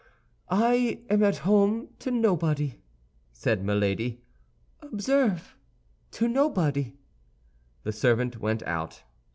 "I am at home to nobody," said Milady; "observe, to nobody." The servant went out.